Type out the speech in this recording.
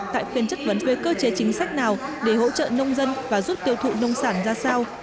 tại phiên chất vấn về cơ chế chính sách nào để hỗ trợ nông dân và giúp tiêu thụ nông sản ra sao